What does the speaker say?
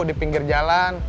di pinggir jalan